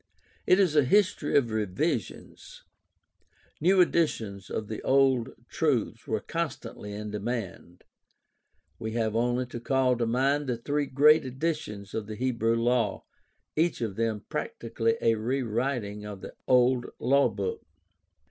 It is a history of revisions. New editions of the old truths were constantly in demand. We have only to call to mind the three great editions of the Hebrew law, each of them prac tically a rewriting of the old lawbook.